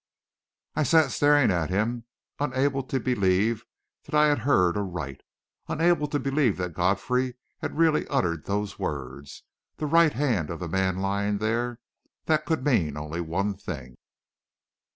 I sat staring at him, unable to believe that I had heard aright; unable to believe that Godfrey had really uttered those words ... the right hand of the man lying there ... that could mean only one thing....